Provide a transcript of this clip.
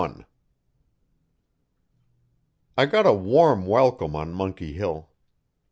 Chapter 41 I got a warm welcome on Monkey Hill.